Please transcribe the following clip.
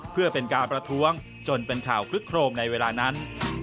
เพื่อเป็นการประท้วงจนเป็นข่าวคลึกโครมในเวลานั้น